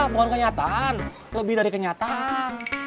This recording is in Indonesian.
bukan kenyataan lebih dari kenyataan